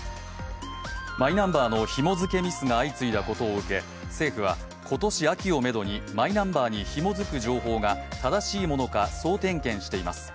マイナンバーのひも付けミスが相次いだことを受け、政府は今年秋をめどにマイナンバーにひも付く情報が正しいものか総点検しています。